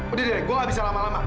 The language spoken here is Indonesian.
udah deh gue gak bisa lama lama